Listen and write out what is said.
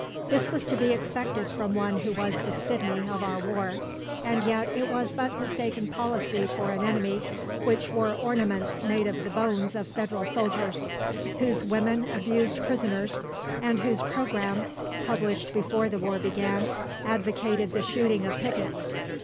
This was to be expected from one who was the Sidney of our war, and yet it was but mistaken policy for an enemy which wore ornaments made of the bones of Federal soldiers, whose women abused prisoners, and whose programme, published before the war began, advocated the shooting of pickets.